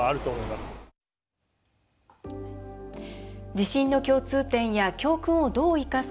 地震の共通点や教訓をどう生かすか。